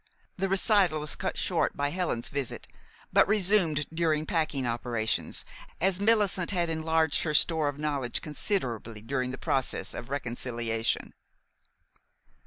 The recital was cut short by Helen's visit, but resumed during packing operations, as Millicent had enlarged her store of knowledge considerably during the process of reconciliation.